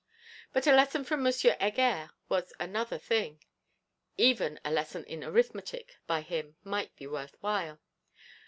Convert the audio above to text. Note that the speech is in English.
But a lesson from M. Heger was another thing; even a lesson in arithmetic by him might be worth while.